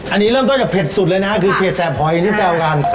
อันนี้เริ่มต้นจากเผ็ดสุดเลยนะคือเผ็บหอยที่แซวกัน